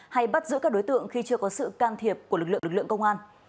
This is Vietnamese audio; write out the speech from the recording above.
hay bắt giữ các đối tượng khi chưa có sự can thiệp của lực lượng công an